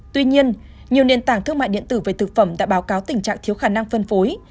tuy nhiên nhiều nền tảng thương mại điện tử về thực phẩm đã báo cáo tình trạng thiếu khả năng phân phối